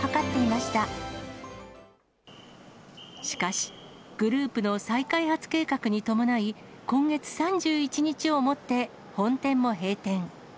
しかし、グループの再開発計画に伴い、今月３１日をもって本店も閉店。